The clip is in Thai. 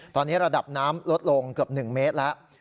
ตอนนี้ระดับน้ำลดลงเกือบ๑เมตรแล้ว